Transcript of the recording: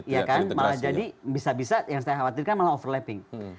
ya kan malah jadi bisa bisa yang saya khawatirkan malah overlapping